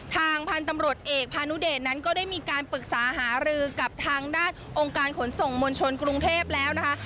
ทางพันธุ์ตำรวจเอกพานุเดชนั้นก็ได้มีการปรึกษาหารือกับทางด้านองค์การขนส่งมวลชนกรุงเทพแล้วนะคะ